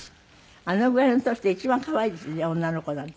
あのぐらいの年って一番可愛いですね女の子なんて。